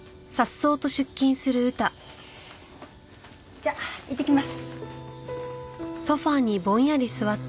じゃあいってきます。